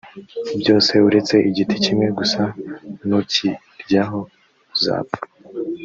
byose uretse igiti kimwe gusa nukiryaho uzapfa